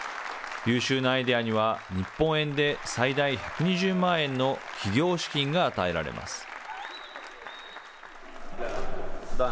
優秀なアイデアには、日本円で最大１２０万円の起業資金が与えられます。